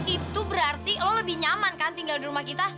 itu berarti lo lebih nyaman kan tinggal di rumah kita